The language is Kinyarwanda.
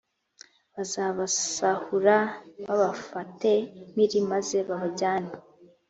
bazabasahura babafate mpiri maze babajyane